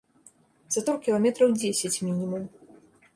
Затор кіламетраў дзесяць мінімум.